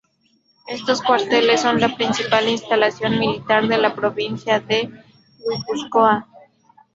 Estos cuarteles son la principal instalación militar en la provincia de Guipúzcoa.